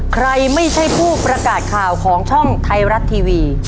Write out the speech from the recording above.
ใครไม่ใช่ผู้ประกาศข่าวของช่องไทยรัฐทีวี